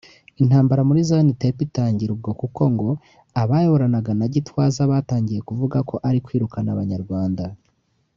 intambara muri Zion Temple itangira ubwo kuko ngo abayoboranaga na Gitwaza batangiye kuvuga ko ari kwirukana abanyarwanda